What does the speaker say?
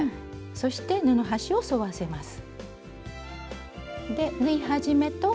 そして布端を沿わせます。